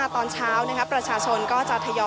พาคุณผู้ชมไปติดตามบรรยากาศกันที่วัดอรุณราชวรรมหาวิหารค่ะ